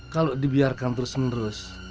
kalau dibiarkan terus menerus